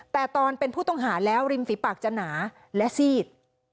แต่ตอนเป็นผู้ต้องหาแล้วริมฝีปากจะหนาและซีด